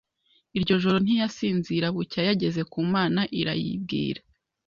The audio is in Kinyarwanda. Iryo joro ntiyasinzira bucya yageze ku Mana Irayibwira